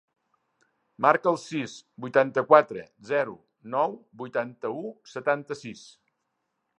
Marca el sis, vuitanta-quatre, zero, nou, vuitanta-u, setanta-sis.